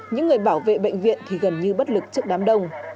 những người bảo vệ bệnh viện thì gần như bất lực trước đám đông